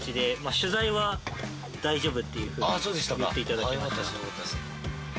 取材は大丈夫っていうふうに言っていただきました。